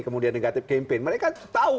kemudian negatif campaign mereka tahu